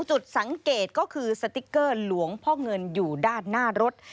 จุดสังเกตก็คือสติ๊กเกอร์หลวงพ่อเงินอยู่ด้านหน้ารถ